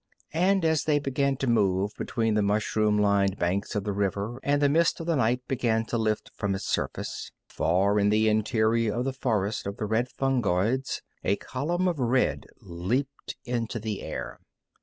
And, as they began to move between the mushroom lined banks of the river and the mist of the night began to lift from its surface, far in the interior of the forest of the red fungoids a column of sullen red leaped into the air.